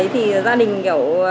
thì gia đình kiểu